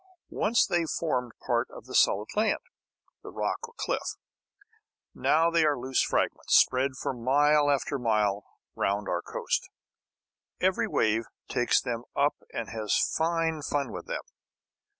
Once they formed part of the solid land, the rock or cliff. Now they are loose fragments spread for mile after mile round our coast. Every wave takes them up and has fine fun with them.